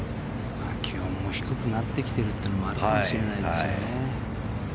気温も低くなってきてるというのもあるかもしれないですよね。